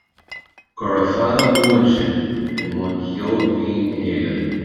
Gura fada buan sibh i mbun cheoil bhinn na hÉireann.